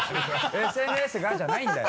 「ＳＮＳが」じゃないんだよ